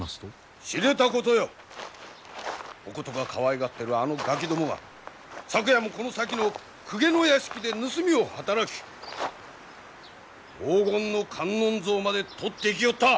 知れたことよおことがかわいがってるあのガキどもが昨夜もこの先の公家の屋敷で盗みを働き黄金の観音像までとっていきよった。